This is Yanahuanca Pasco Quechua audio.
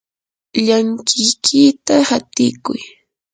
llankikiyta hatikuy.